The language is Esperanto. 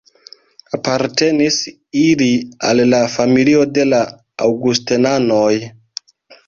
Apartenis ili al la familio de la Aŭgustenanoj.